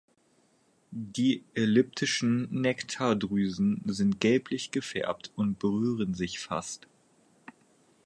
Die elliptischen Nektardrüsen sind gelblich gefärbt und berühren sich fast.